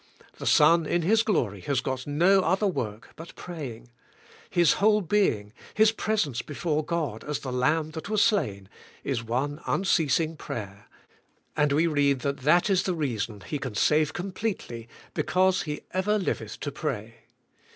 The Son in His glory has got no other work but pray ing; His whole being. His presence before God as the Lamb that was slain, is one unceasing prayer, and we read that that is the reason He can save completely, because ' 'He ever li veth to pray.